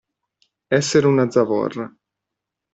Essere una zavorra.